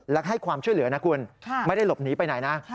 และให้ความช่วยเหลือนะคุณไม่ได้หลบหนีไปไหนนะ